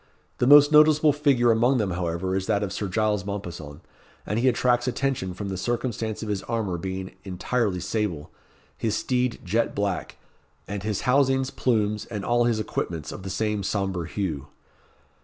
The most noticeable figure amongst them, however, is that of Sir Giles Mompesson; and he attracts attention from the circumstance of his armour being entirely sable, his steed jet black, and his housings, plumes, and all his equipments of the same sombre hue.